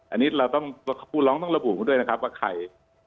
อันนี้เราต้องผู้ร้องต้องระบุด้วยนะครับว่าใคร